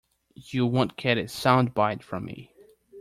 You won’t get a soundbite from me.